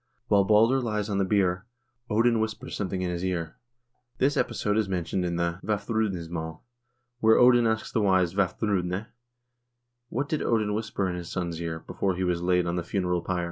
While Balder lies on the bier, Odin whispers something in his ear. This episode is mentioned in the "Vafbrud nismdl," l where Odin asks the wise Vafbrudne : What did Odin whisper in his son's ear before he was laid on the funeral pyre